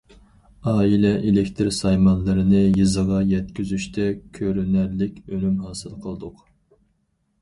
ئائىلە ئېلېكتىر سايمانلىرىنى يېزىغا يەتكۈزۈشتە كۆرۈنەرلىك ئۈنۈم ھاسىل قىلدۇق.